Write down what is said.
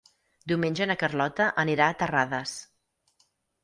Diumenge na Carlota anirà a Terrades.